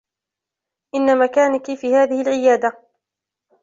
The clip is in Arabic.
إنّ مكانك في هذه العيادة.